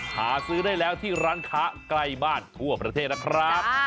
หาซื้อได้แล้วที่ร้านค้าใกล้บ้านทั่วประเทศนะครับ